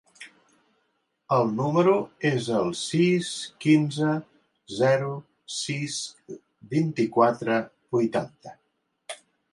El meu número es el sis, quinze, zero, sis, vint-i-quatre, vuitanta.